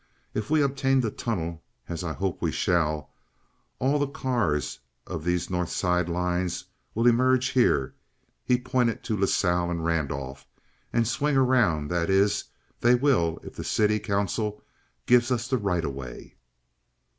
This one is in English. If we obtain the tunnel, as I hope we shall, all the cars of these North Side lines will emerge here"—he pointed to La Salle and Randolph—"and swing around—that is, they will if the city council give us the right of way.